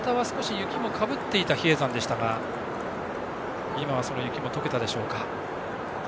朝方は雪もかぶっていた比叡山でしたが今は雪も解けたでしょうか。